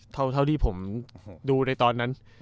เท่าที่ผมดูในตอนนั้น